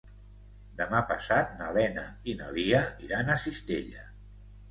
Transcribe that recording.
Demà passat na Lena i na Lia iran a Cistella.